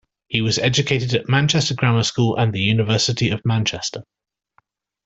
He was educated at Manchester Grammar School and the University of Manchester.